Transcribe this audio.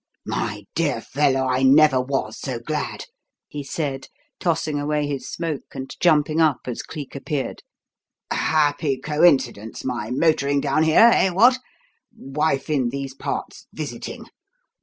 "My dear fellow, I never was so glad," he said, tossing away his smoke and jumping up as Cleek appeared. "Happy coincidence my motoring down here eh, what? Wife in these parts visiting.